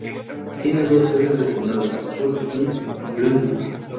Tiene dos sedes de condado: Fort Smith y Greenwood.